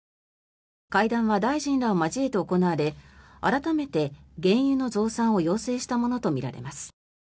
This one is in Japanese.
会談は大臣らを交えて行われ改めて原油の増産を要請したものとみられます。